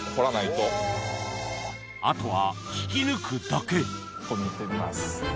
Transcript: あとは引き抜くだけ引っこ抜いてみます。